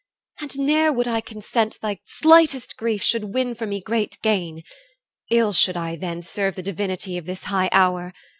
And ne'er would I consent thy slightest grief Should win for me great gain. Ill should I then Serve the divinity of this high hour!